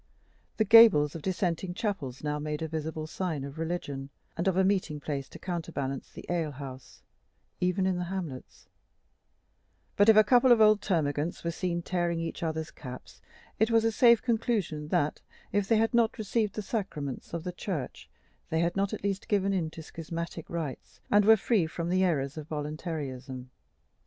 The gables of Dissenting chapels now made a visible sign of religion, and of a meeting place to counterbalance the ale house, even in the hamlets; but if a couple of old termagants were seen tearing each other's caps, it was a safe conclusion that, if they had not received the sacraments of the Church, they had not at least given in to schismatic rites, and were free from the errors of Voluntaryism.